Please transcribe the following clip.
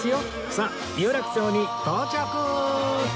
さあ有楽町に到着！